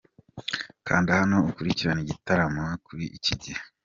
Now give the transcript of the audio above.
Kanda hano ukurikirane igitaramo kuri Igihe.